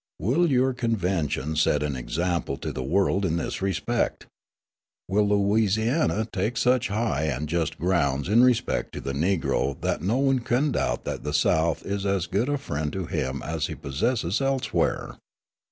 Will your convention set an example to the world in this respect? Will Louisiana take such high and just grounds in respect to the Negro that no one can doubt that the South is as good a friend to him as he possesses elsewhere?